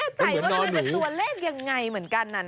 ไม่แน่ใจว่าตัวเลขยังไงเหมือนกัน